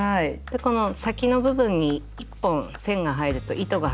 この先の部分に１本線が入ると糸が入るとね